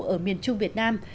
ở miền trung việt nam